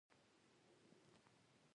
بحیرا د خپل کور پر بام ولاړ و.